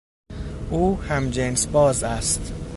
او همجنسباز است.